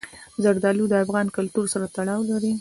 زردالو د افغان کلتور سره تړاو لري.